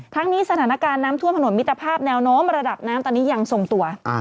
ทั้งนี้สถานการณ์น้ำท่วมถนนมิตรภาพแนวโน้มระดับน้ำตอนนี้ยังทรงตัว